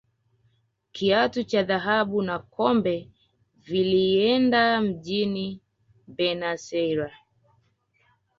kiatu cha dhahabu na kombe vilieenda mjini benus aires